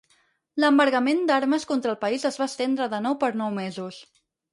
L'embargament d'armes contra el país es va estendre de nou per nou mesos.